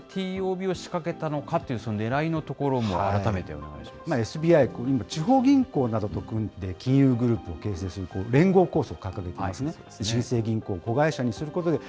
ＳＢＩはなぜＴＯＢを仕掛けたのかという、ねらいのところもＳＢＩ、地方銀行などと組んで、金融グループを形成する連合構想を掲げていますね。